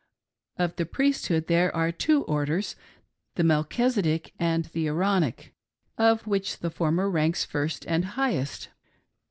Of the Priesthood there are two orders — the Melchisedec and the Aaronic ; of which the former ranks first and highest.